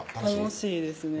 楽しいですね